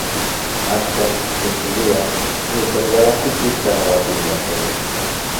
Axkan, mixeuia, nikan ualajsiki tlanauatilmatiani.